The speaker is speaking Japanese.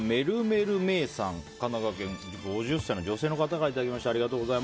神奈川県５０歳女性の方からいただきました。